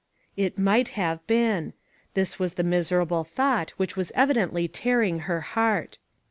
" It might have been !" This was the miserable thought which was evidently tear ing her heart.